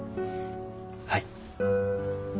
はい。